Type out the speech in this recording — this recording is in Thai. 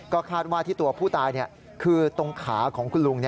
ก็คาดว่าที่ตัวผู้ตายคือตรงขาของคุณลุง